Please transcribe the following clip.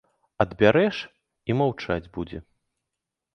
Адбярэш, і маўчаць будзе.